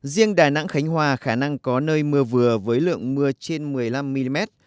riêng đà nẵng khánh hòa khả năng có nơi mưa vừa với lượng mưa trên một mươi năm mm